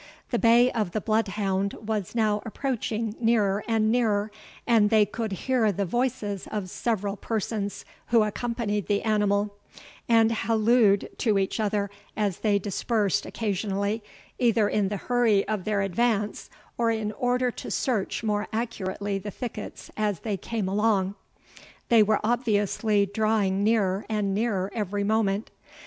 The bay of the bloodhound was now approaching nearer and nearer, and they could hear the voices of several persons who accompanied the animal, and hallooed to each other as they dispersed occasionally, either in the hurry of their advance, or in order to search more accurately the thickets as they came along. They were obviously drawing nearer and nearer every moment.